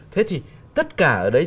thế thì tất cả ở đây